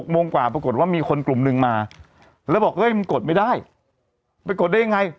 โมงกว่าปรากฏว่ามีคนกลุ่มหนึ่งมาแล้วบอกเฮ้ยมันกดไม่ได้ไปกดได้ยังไง